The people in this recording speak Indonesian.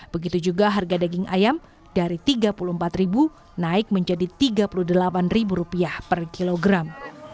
begitu juga harga daging ayam dari rp tiga puluh empat naik menjadi rp tiga puluh delapan per kilogram